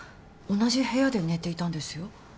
同じ部屋で寝ていたんですよ？